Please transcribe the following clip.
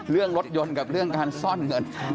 เรื่องรถยนต์กับเรื่องการซ่อนเงิน